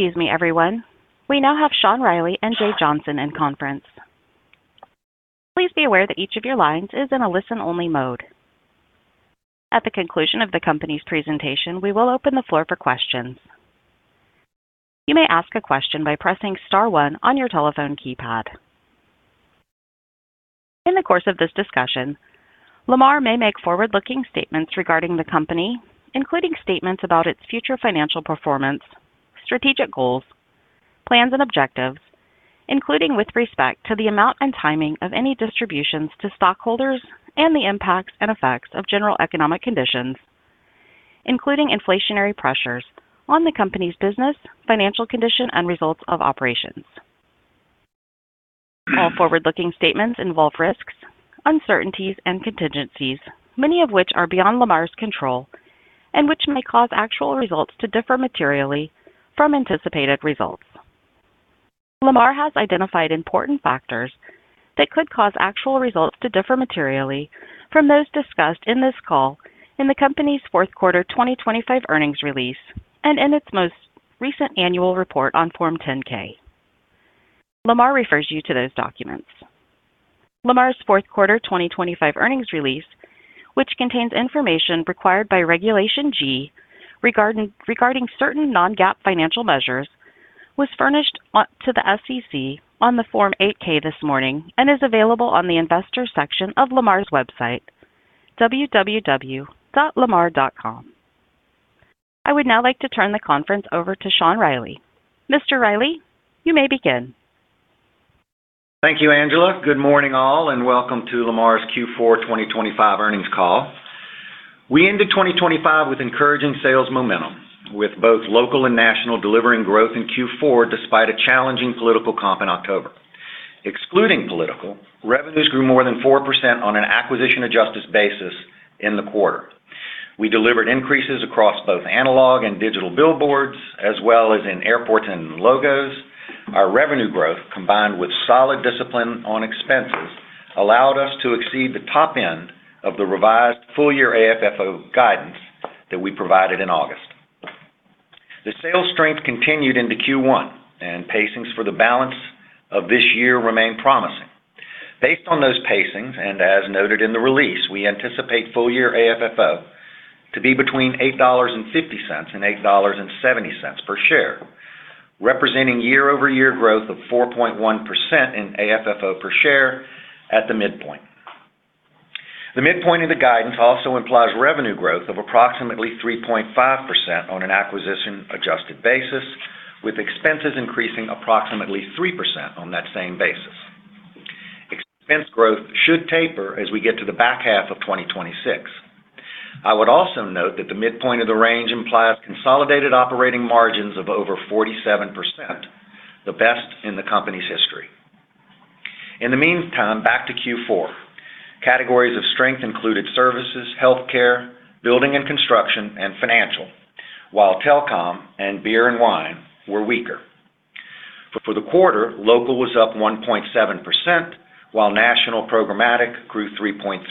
Excuse me, everyone. We now have Sean Reilly and Jay Johnson in conference. Please be aware that each of your lines is in a listen-only mode. At the conclusion of the company's presentation, we will open the floor for questions. You may ask a question by pressing star one on your telephone keypad. In the course of this discussion, Lamar may make forward-looking statements regarding the company, including statements about its future financial performance, strategic goals, plans, and objectives, including with respect to the amount and timing of any distributions to stockholders and the impacts and effects of general economic conditions, including inflationary pressures on the company's business, financial condition, and results of operations. All forward-looking statements involve risks, uncertainties, and contingencies, many of which are beyond Lamar's control and which may cause actual results to differ materially from anticipated results. Lamar has identified important factors that could cause actual results to differ materially from those discussed in this call in the company's fourth quarter 2025 earnings release and in its most recent annual report on Form 10-K. Lamar refers you to those documents. Lamar's fourth quarter 2025 earnings release, which contains information required by Regulation G regarding certain non-GAAP financial measures, was furnished on to the SEC on the Form 8-K this morning and is available on the investor section of Lamar's website, www.lamar.com. I would now like to turn the conference over to Sean Reilly. Mr. Reilly, you may begin. Thank you, Angela. Good morning, all, and welcome to Lamar's Q4 2025 Earnings Call. We ended 2025 with encouraging sales momentum, with both local and national delivering growth in Q4 despite a challenging political comp in October. Excluding political, revenues grew more than 4% on an acquisition-adjusted basis in the quarter. We delivered increases across both analog and digital billboards, as well as in airports and logos. Our revenue growth, combined with solid discipline on expenses, allowed us to exceed the top end of the revised full-year AFFO guidance that we provided in August. The sales strength continued into Q1, and pacings for the balance of this year remain promising. Based on those pacings, and as noted in the release, we anticipate full-year AFFO to be between $8.50 and $8.70 per share, representing year-over-year growth of 4.1% in AFFO per share at the midpoint. The midpoint of the guidance also implies revenue growth of approximately 3.5% on an acquisition-adjusted basis, with expenses increasing approximately 3% on that same basis. Expense growth should taper as we get to the back half of 2026. I would also note that the midpoint of the range implies consolidated operating margins of over 47%, the best in the company's history. In the meantime, back to Q4. Categories of strength included services, healthcare, building and construction, and financial, while telecom and beer and wine were weaker. For the quarter, local was up 1.7%, while national programmatic grew 3.3%.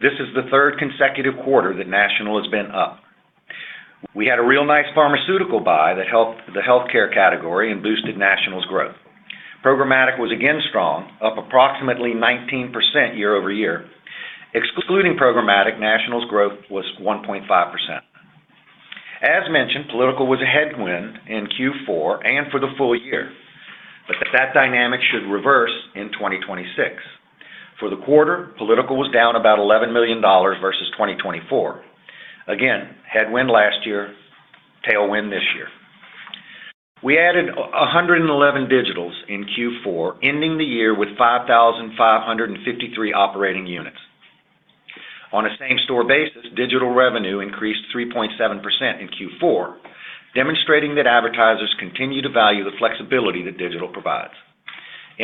This is the third consecutive quarter that national has been up. We had a real nice pharmaceutical buy that helped the healthcare category and boosted national's growth. Programmatic was again strong, up approximately 19% year-over-year. Excluding programmatic, national's growth was 1.5%. As mentioned, political was a headwind in Q4 and for the full year, but that dynamic should reverse in 2026. For the quarter, political was down about $11 million versus 2024. Again, headwind last year, tailwind this year. We added 111 digitals in Q4, ending the year with 5,553 operating units. On a same-store basis, digital revenue increased 3.7% in Q4, demonstrating that advertisers continue to value the flexibility that digital provides.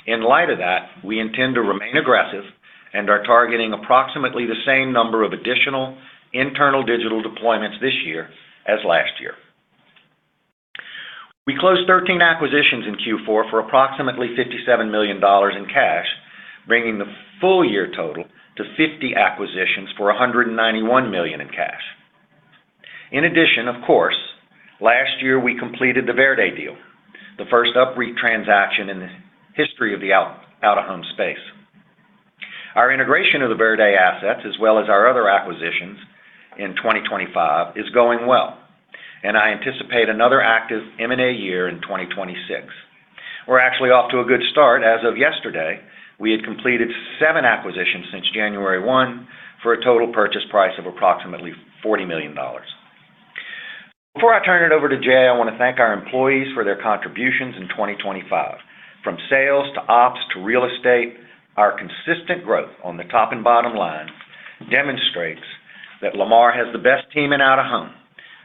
In light of that, we intend to remain aggressive and are targeting approximately the same number of additional internal digital deployments this year as last year. We closed 13 acquisitions in Q4 for approximately $57 million in cash, bringing the full year total to 50 acquisitions for $191 million in cash. In addition, of course, last year we completed the Verde deal, the first UPREIT transaction in the history of the Out-of-Home space. Our integration of the Verde assets, as well as our other acquisitions in 2025, is going well, and I anticipate another active M&A year in 2026. We're actually off to a good start. As of yesterday, we had completed seven acquisitions since January 1 for a total purchase price of approximately $40 million. Before I turn it over to Jay, I want to thank our employees for their contributions in 2025. From sales to ops to real estate, our consistent growth on the top and bottom line demonstrates that Lamar has the best team in Out-of-Home,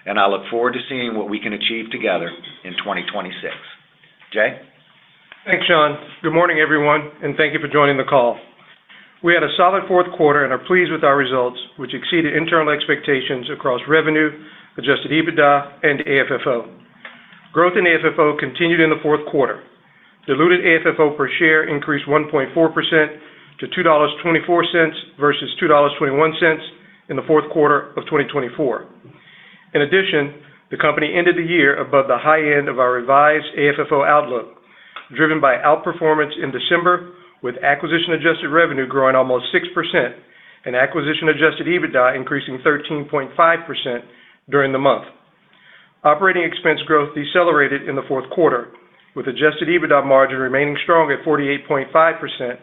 and I look forward to seeing what we can achieve together in 2026. Jay? Thanks, Sean. Good morning, everyone, and thank you for joining the call. We had a solid fourth quarter and are pleased with our results, which exceeded internal expectations across revenue, adjusted EBITDA and AFFO. Growth in AFFO continued in the fourth quarter. Diluted AFFO per share increased 1.4% to $2.24 versus $2.21 in the fourth quarter of 2024. In addition, the company ended the year above the high end of our revised AFFO outlook, driven by outperformance in December, with acquisition-adjusted revenue growing almost 6% and acquisition-adjusted EBITDA increasing 13.5% during the month. Operating expense growth decelerated in the fourth quarter, with adjusted EBITDA margin remaining strong at 48.5%,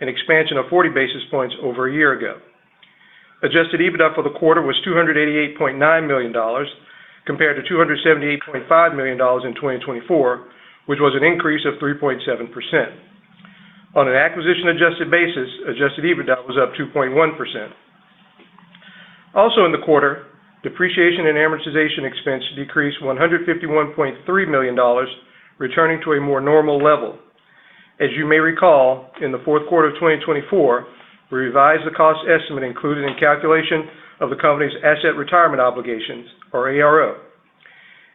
an expansion of 40 basis points over a year ago. Adjusted EBITDA for the quarter was $288.9 million, compared to $278.5 million in 2024, which was an increase of 3.7%. On an acquisition-adjusted basis, adjusted EBITDA was up 2.1%. Also in the quarter, depreciation and amortization expense decreased $151.3 million, returning to a more normal level. As you may recall, in the fourth quarter of 2024, we revised the cost estimate included in calculation of the company's asset retirement obligations, or ARO.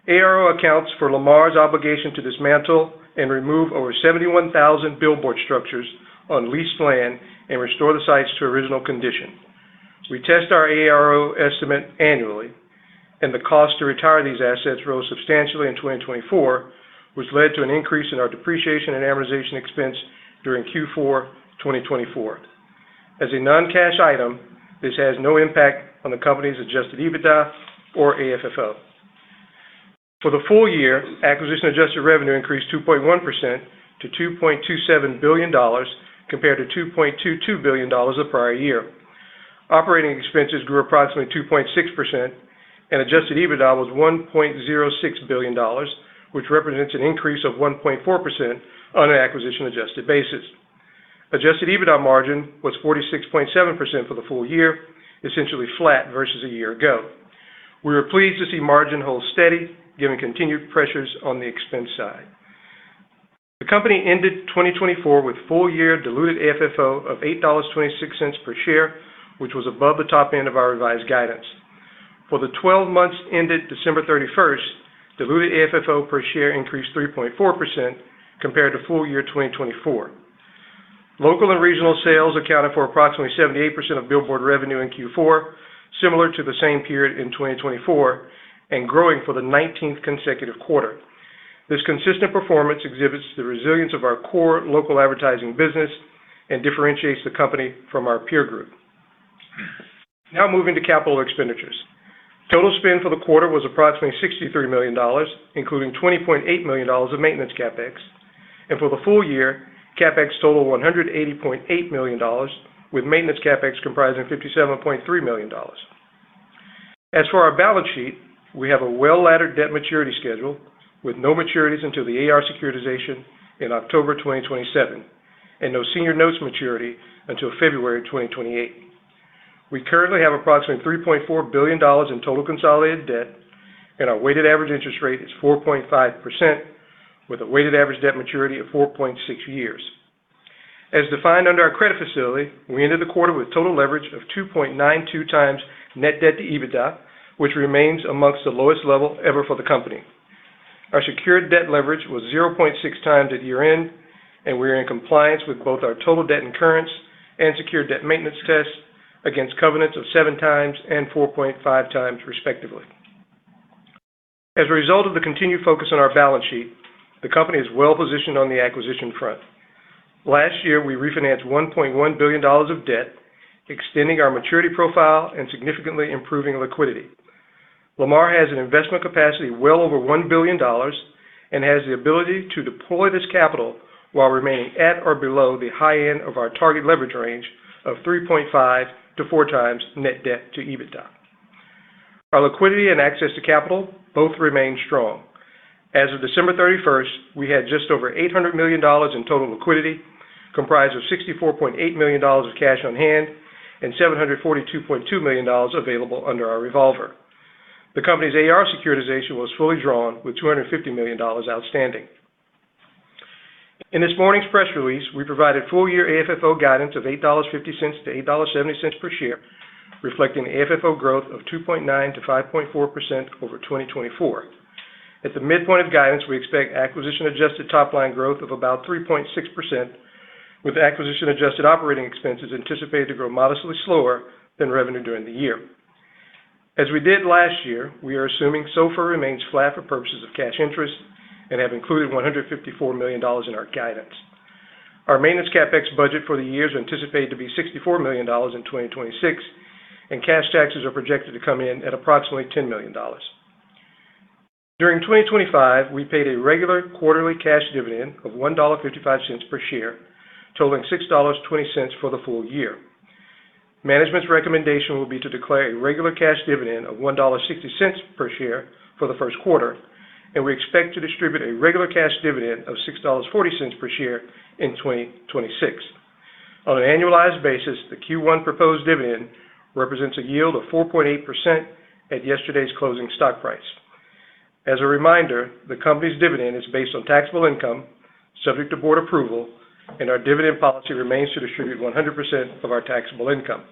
ARO accounts for Lamar's obligation to dismantle and remove over 71,000 billboard structures on leased land and restore the sites to original condition. We test our ARO estimate annually, and the cost to retire these assets rose substantially in 2024, which led to an increase in our depreciation and amortization expense during Q4 2024. As a non-cash item, this has no impact on the company's adjusted EBITDA or AFFO. For the full year, acquisition-adjusted revenue increased 2.1% to $2.27 billion, compared to $2.22 billion the prior year. Operating expenses grew approximately 2.6%, and adjusted EBITDA was $1.06 billion, which represents an increase of 1.4% on an acquisition-adjusted basis. Adjusted EBITDA margin was 46.7% for the full year, essentially flat versus a year ago. We were pleased to see margin hold steady, given continued pressures on the expense side. The company ended 2024 with full-year diluted AFFO of $8.26 per share, which was above the top end of our revised guidance. For the 12 months ended December 31st, diluted AFFO per share increased 3.4% compared to full year 2024. Local and regional sales accounted for approximately 78% of billboard revenue in Q4, similar to the same period in 2024 and growing for the 19th consecutive quarter. This consistent performance exhibits the resilience of our core local advertising business and differentiates the company from our peer group. Now moving to capital expenditures. Total spend for the quarter was approximately $63 million, including $20.8 million of maintenance CapEx. For the full year, CapEx totaled $180.8 million, with maintenance CapEx comprising $57.3 million. As for our balance sheet, we have a well-laddered debt maturity schedule with no maturities until the AR securitization in October 2027, and no senior notes maturity until February 2028. We currently have approximately $3.4 billion in total consolidated debt, and our weighted average interest rate is 4.5%, with a weighted average debt maturity of 4.6 years. As defined under our credit facility, we ended the quarter with total leverage of 2.92x net debt to EBITDA, which remains among the lowest level ever for the company. Our secured debt leverage was 0.6x at year-end, and we are in compliance with both our total debt incurrence and secured debt maintenance tests against covenants of 7x and 4.5x, respectively. As a result of the continued focus on our balance sheet, the company is well-positioned on the acquisition front. Last year, we refinanced $1.1 billion of debt, extending our maturity profile and significantly improving liquidity. Lamar has an investment capacity well over $1 billion and has the ability to deploy this capital while remaining at or below the high end of our target leverage range of 3.5x-4x net debt to EBITDA. Our liquidity and access to capital both remain strong. As of December 31st, we had just over $800 million in total liquidity, comprised of $64.8 million of cash on hand and $742.2 million available under our revolver. The company's AR securitization was fully drawn, with $250 million outstanding. In this morning's press release, we provided full-year AFFO guidance of $8.50-$8.70 per share, reflecting an AFFO growth of 2.9%-5.4% over 2024. At the midpoint of guidance, we expect acquisition-adjusted top-line growth of about 3.6%, with acquisition-adjusted operating expenses anticipated to grow modestly slower than revenue during the year. As we did last year, we are assuming SOFR remains flat for purposes of cash interest and have included $154 million in our guidance. Our maintenance CapEx budget for the year is anticipated to be $64 million in 2026, and cash taxes are projected to come in at approximately $10 million. During 2025, we paid a regular quarterly cash dividend of $1.55 per share, totaling $6.20 for the full year. Management's recommendation will be to declare a regular cash dividend of $1.60 per share for the first quarter, and we expect to distribute a regular cash dividend of $6.40 per share in 2026. On an annualized basis, the Q1 proposed dividend represents a yield of 4.8% at yesterday's closing stock price. As a reminder, the company's dividend is based on taxable income, subject to board approval, and our dividend policy remains to distribute 100% of our taxable income.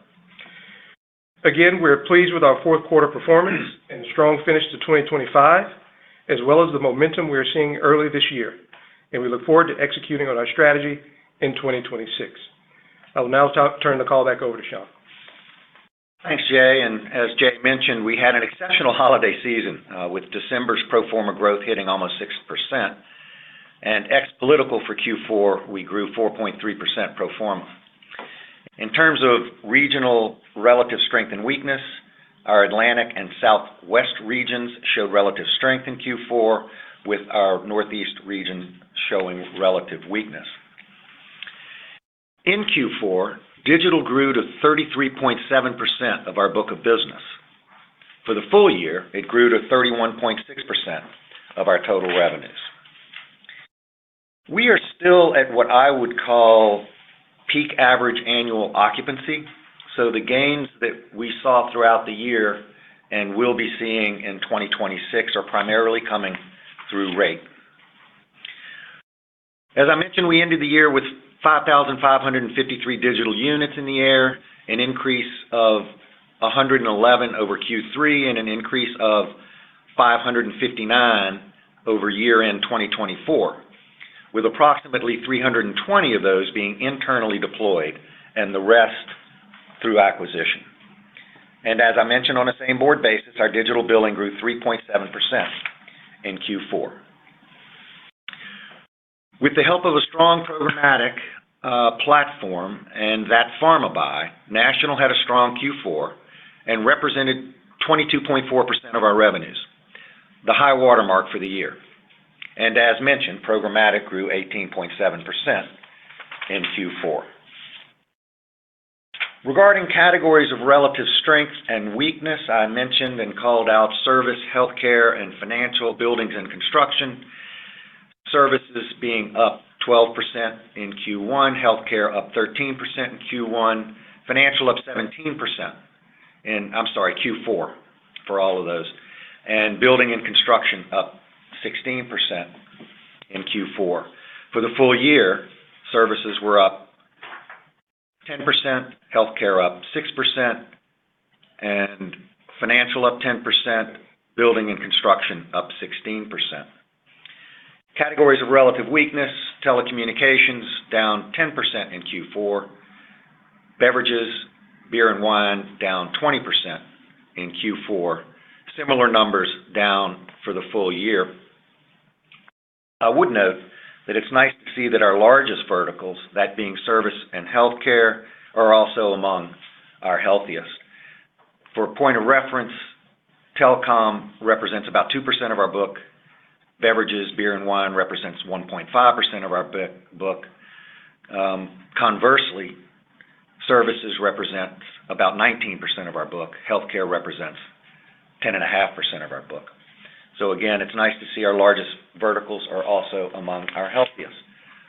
Again, we're pleased with our fourth quarter performance and strong finish to 2025, as well as the momentum we are seeing early this year, and we look forward to executing on our strategy in 2026. I will now turn the call back over to Sean. Thanks, Jay. As Jay mentioned, we had an exceptional holiday season with December's pro forma growth hitting almost 6%. Ex-political for Q4, we grew 4.3% pro forma. In terms of regional relative strength and weakness, our Atlantic and Southwest regions showed relative strength in Q4, with our Northeast region showing relative weakness. In Q4, digital grew to 33.7% of our book of business. For the full year, it grew to 31.6% of our total revenues. We are still at what I would call peak average annual occupancy, so the gains that we saw throughout the year and will be seeing in 2026 are primarily coming through rate. As I mentioned, we ended the year with 5,553 digital units in the air, an increase of 111 over Q3 and an increase of 559 over year-end 2024, with approximately 320 of those being internally deployed and the rest through acquisition. As I mentioned, on a same-board basis, our digital billing grew 3.7% in Q4. With the help of a strong programmatic platform and that pharma buy, national had a strong Q4 and represented 22.4% of our revenues, the high watermark for the year. As mentioned, programmatic grew 18.7% in Q4. Regarding categories of relative strength and weakness, I mentioned and called out service, healthcare, and financial, buildings and construction. Services being up 12% in Q1, healthcare up 13% in Q1, financial up 17%—I'm sorry, Q4 for all of those, and building and construction up 16% in Q4. For the full year, services were up 10%, healthcare up 6%, and financial up 10%, building and construction up 16%. Categories of relative weakness, telecommunications down 10% in Q4, beverages, beer and wine, down 20% in Q4. Similar numbers down for the full year. I would note that it's nice to see that our largest verticals, that being service and healthcare, are also among our healthiest. For a point of reference, telecom represents about 2% of our book. Beverages, beer and wine, represents 1.5% of our book. Conversely, services represent about 19% of our book. Healthcare represents 10.5% of our book. So again, it's nice to see our largest verticals are also among our healthiest.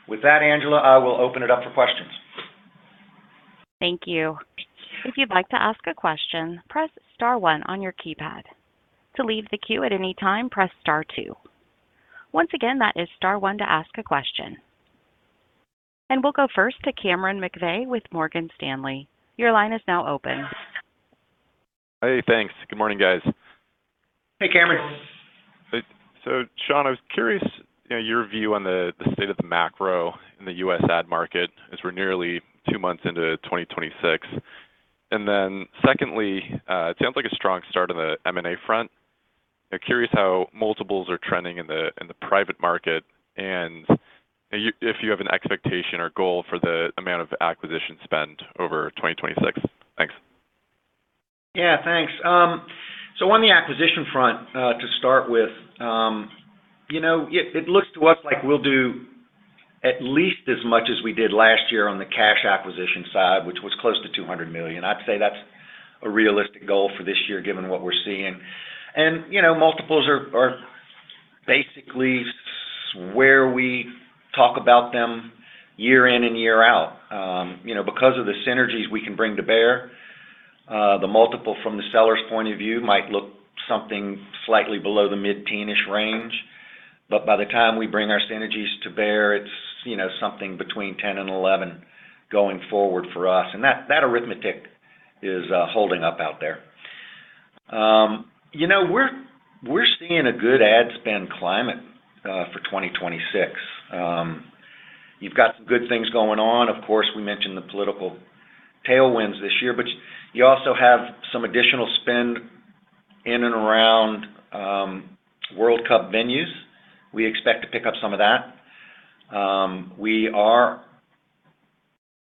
With that, Angela, I will open it up for questions. Thank you. If you'd like to ask a question, press star one on your keypad. To leave the queue at any time, press star two. Once again, that is star one to ask a question. And we'll go first to Cameron McVeigh with Morgan Stanley. Your line is now open. Hey, thanks. Good morning, guys. Hey, Cameron. So, Sean, I was curious, you know, your view on the state of the macro in the U.S. ad market as we're nearly two months into 2026. And then secondly, it sounds like a strong start on the M&A front. I'm curious how multiples are trending in the private market, and you if you have an expectation or goal for the amount of acquisition spend over 2026. Thanks. Yeah, thanks. So on the acquisition front, to start with, you know, it looks to us like we'll do at least as much as we did last year on the cash acquisition side, which was close to $200 million. I'd say that's a realistic goal for this year, given what we're seeing. And, you know, multiples are basically where we talk about them year in and year out. You know, because of the synergies we can bring to bear, the multiple from the seller's point of view might look something slightly below the mid-teenish range, but by the time we bring our synergies to bear, it's, you know, something between 10 and 11 going forward for us. And that arithmetic is holding up out there. You know, we're seeing a good ad spend climate for 2026. You've got some good things going on. Of course, we mentioned the political tailwinds this year, but you also have some additional spend in and around World Cup venues. We expect to pick up some of that. We are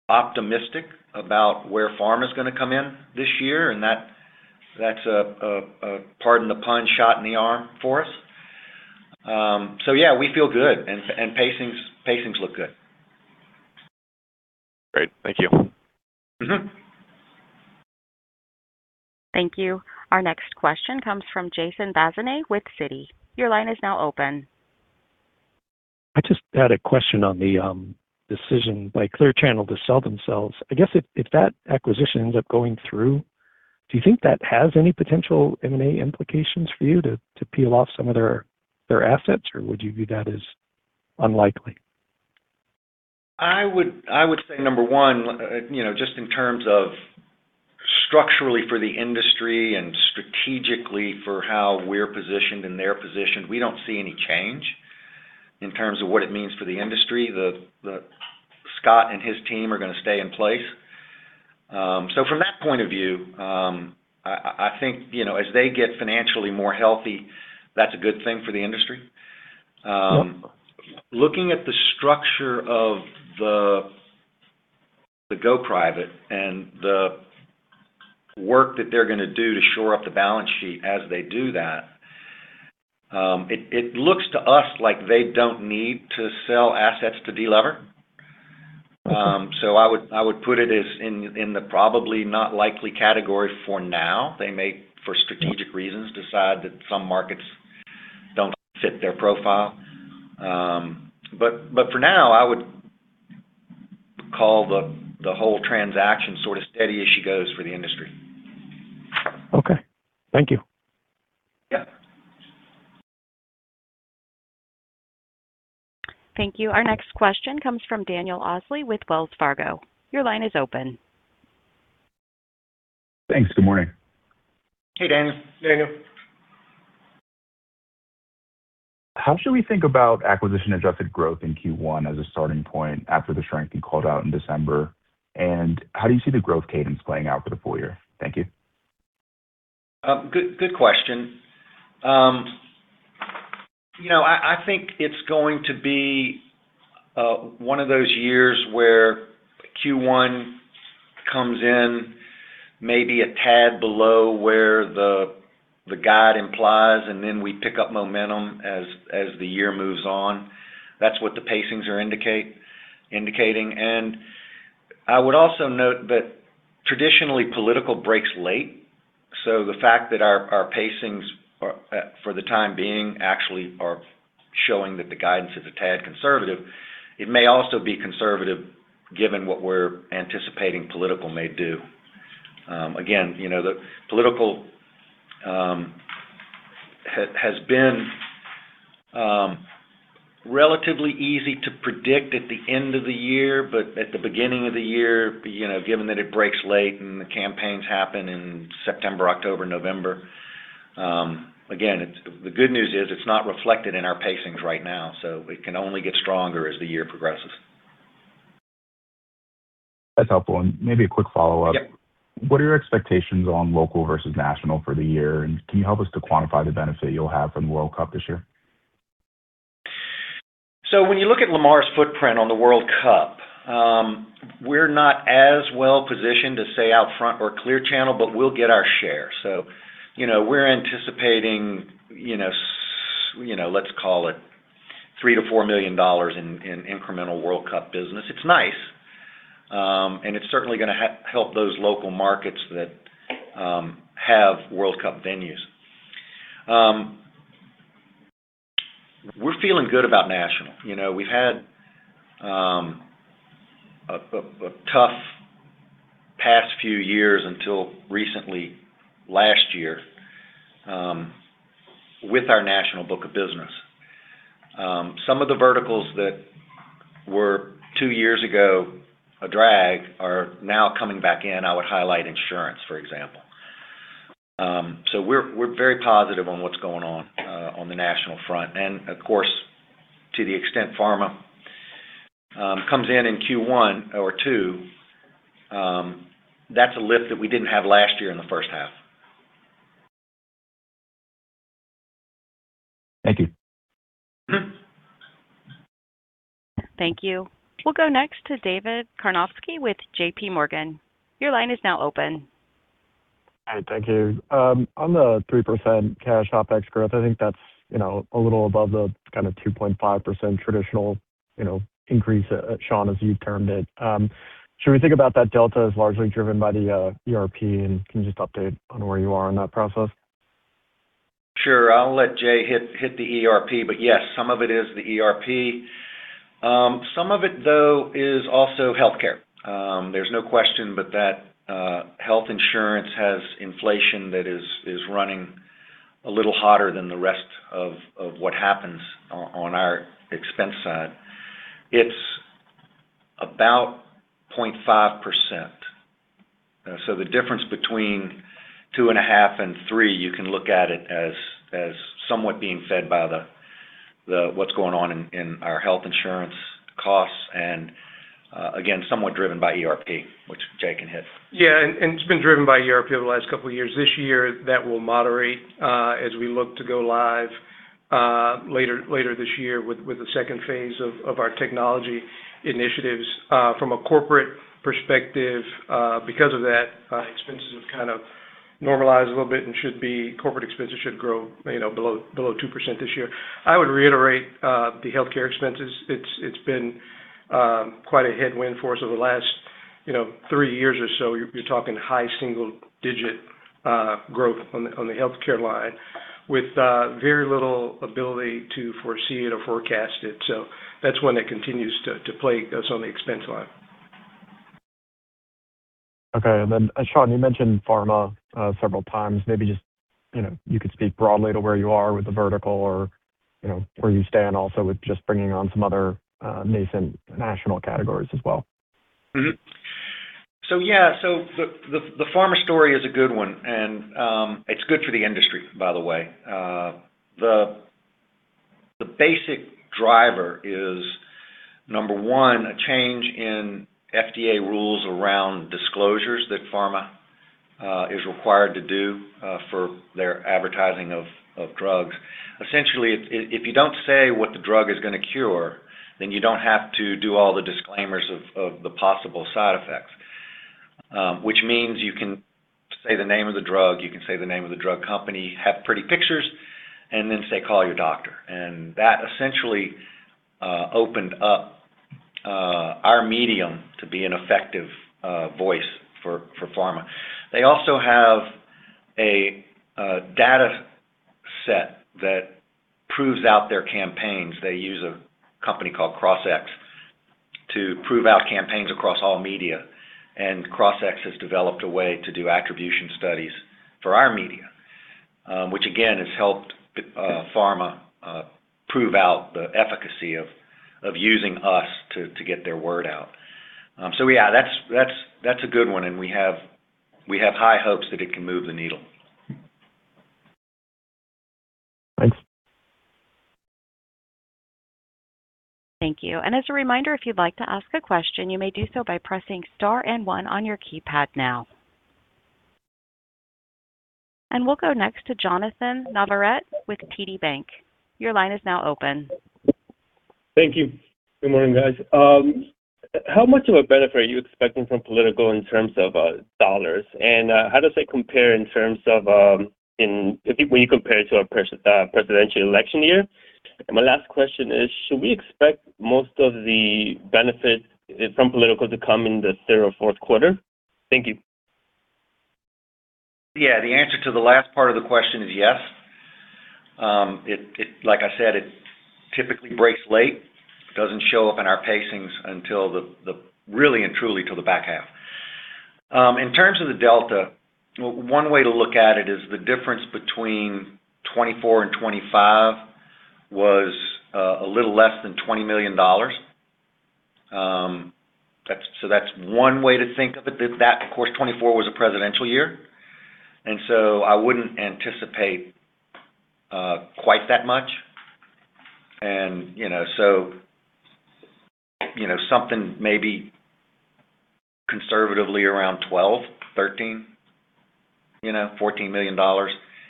optimistic about where pharma is gonna come in this year, and that's a pardon the pun, shot in the arm for us. So yeah, we feel good, and pacings look good. Great. Thank you. Mm-hmm. Thank you. Our next question comes from Jason Bazinet with Citi. Your line is now open. I just had a question on the decision by Clear Channel to sell themselves. I guess if that acquisition ends up going through, do you think that has any potential M&A implications for you to peel off some of their assets, or would you view that as unlikely? I would, I would say number one, you know, just in terms of structurally for the industry and strategically for how we're positioned and their position, we don't see any change in terms of what it means for the industry. Scott and his team are going to stay in place. So from that point of view, I think, you know, as they get financially more healthy, that's a good thing for the industry. Looking at the structure of the go private and the work that they're going to do to shore up the balance sheet as they do that, it looks to us like they don't need to sell assets to delever. So I would put it as in the probably not likely category for now. They may, for strategic reasons, decide that some markets don't fit their profile. But for now, I would call the whole transaction sort of steady as she goes for the industry. Okay. Thank you. Yeah. Thank you. Our next question comes from Daniel Osley with Wells Fargo. Your line is open. Thanks. Good morning. Hey, Daniel. Daniel. How should we think about acquisition-adjusted growth in Q1 as a starting point after the shrinking called out in December? And how do you see the growth cadence playing out for the full year? Thank you. Good, good question. You know, I think it's going to be one of those years where Q1 comes in maybe a tad below where the guide implies, and then we pick up momentum as the year moves on. That's what the pacings are indicating. And I would also note that traditionally, political breaks late, so the fact that our pacings for the time being actually are showing that the guidance is a tad conservative, it may also be conservative, given what we're anticipating political may do. Again, you know, the political has been relatively easy to predict at the end of the year, but at the beginning of the year, you know, given that it breaks late and the campaigns happen in September, October, November, again, it's the good news is it's not reflected in our pacings right now, so it can only get stronger as the year progresses. That's helpful. Maybe a quick follow-up. Yep. What are your expectations on local versus national for the year? And can you help us to quantify the benefit you'll have from the World Cup this year? So when you look at Lamar's footprint on the World Cup, we're not as well-positioned to say OUTFRONT or Clear Channel, but we'll get our share. So, you know, we're anticipating, you know, let's call it $3 million-$4 million in incremental World Cup business. It's nice, and it's certainly going to help those local markets that have World Cup venues. We're feeling good about national. You know, we've had a tough past few years until recently, last year, with our national book of business. Some of the verticals that were, two years ago, a drag, are now coming back in. I would highlight insurance, for example. So we're very positive on what's going on on the national front. Of course, to the extent pharma comes in in Q1 or Q2, that's a lift that we didn't have last year in the first half. Thank you. Mm-hmm. Thank you. We'll go next to David Karnovsky with JPMorgan. Your line is now open. Hi, thank you. On the 3% cash OpEx growth, I think that's, you know, a little above the kind of 2.5% traditional, you know, increase, Sean, as you've termed it. Should we think about that delta as largely driven by the ERP, and can you just update on where you are in that process? Sure. I'll let Jay hit the ERP, but yes, some of it is the ERP. Some of it, though, is also healthcare. There's no question but that health insurance has inflation that is running a little hotter than the rest of what happens on our expense side. It's about 0.5%. So the difference between 2.5% and 3%, you can look at it as somewhat being fed by what's going on in our health insurance costs, and again, somewhat driven by ERP, which Jay can hit. Yeah. And it's been driven by ERP over the last couple of years. This year, that will moderate as we look to go live later this year with the second phase of our technology initiatives. From a corporate perspective, because of that, expenses have kind of normalized a little bit and corporate expenses should grow, you know, below 2% this year. I would reiterate the healthcare expenses. It's been quite a headwind for us over the last, you know, three years or so. You're talking high single-digit growth on the healthcare line, with very little ability to foresee it or forecast it. So that's one that continues to plague us on the expense line. Okay, and then, Sean, you mentioned pharma several times. Maybe just, you know, you could speak broadly to where you are with the vertical or, you know, where you stand also with just bringing on some other nascent national categories as well. So, yeah, so the pharma story is a good one, and, it's good for the industry, by the way. The basic driver is, number one, a change in FDA rules around disclosures that pharma is required to do for their advertising of drugs. Essentially, if you don't say what the drug is gonna cure, then you don't have to do all the disclaimers of the possible side effects. Which means you can say the name of the drug, you can say the name of the drug company, have pretty pictures, and then say, "Call your doctor." And that essentially opened up our medium to be an effective voice for pharma. They also have a data set that proves out their campaigns. They use a company called Crossix to prove out campaigns across all media, and Crossix has developed a way to do attribution studies for our media, which again has helped pharma prove out the efficacy of using us to get their word out. So yeah, that's a good one, and we have high hopes that it can move the needle. Thanks. Thank you. As a reminder, if you'd like to ask a question, you may do so by pressing star and one on your keypad now. We'll go next to Jonathan Navarrete with TD Bank. Your line is now open. Thank you. Good morning, guys. How much of a benefit are you expecting from political in terms of dollars? And how does it compare in terms of, if we compare it to a presidential election year? And my last question is, should we expect most of the benefits from political to come in the third or fourth quarter? Thank you. Yeah. The answer to the last part of the question is yes. Like I said, it typically breaks late. It doesn't show up in our pacings until the really and truly till the back half. In terms of the delta, one way to look at it is the difference between 2024 and 2025 was a little less than $20 million. That's, so that's one way to think of it, that, of course, 2024 was a presidential year, and so I wouldn't anticipate quite that much. And, you know, so, you know, something maybe conservatively around $12 million, $13 million, you know, $14 million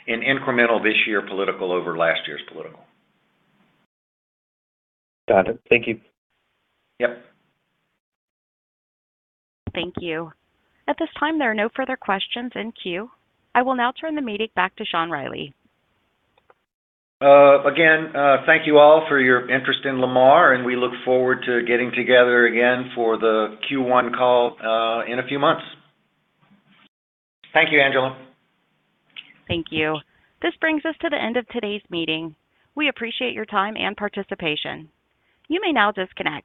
in incremental this year, political over last year's political. Got it. Thank you. Yep. Thank you. At this time, there are no further questions in queue. I will now turn the meeting back to Sean Reilly. Again, thank you all for your interest in Lamar, and we look forward to getting together again for the Q1 call, in a few months. Thank you, Angela. Thank you. This brings us to the end of today's meeting. We appreciate your time and participation. You may now disconnect.